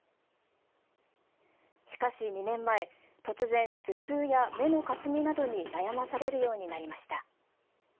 しかし２年前、突然頭痛や目のかすみなどに悩まされるようになりました。